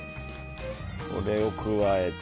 これを加えて。